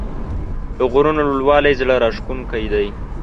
د غرونو لوړوالی زړه راښکونکی دی.